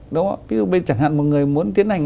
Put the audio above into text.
đúng không ví dụ bây giờ chẳng hạn một người muốn tiến hành